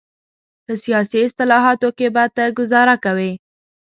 په سیاسي اصطلاحاتو کې به ته ګوزاره کوې.